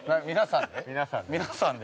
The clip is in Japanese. ◆皆さんで？